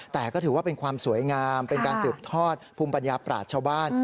แต่ก็ถือว่าเป็นความสวยงามเป็นการสืบทอดภูมิปัญญาปราศชาวบ้าน